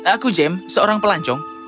aku james seorang pelancong